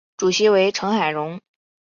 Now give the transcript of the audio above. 主席为成海荣。